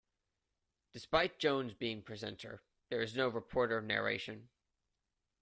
Despite Jones being presenter, there is no reporter narration.